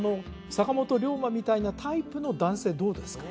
坂本龍馬みたいなタイプの男性どうですか？